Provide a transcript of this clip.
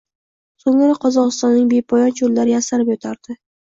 So‘ngra Qozog‘istonning bepoyon cho‘llari yastanib yotardi.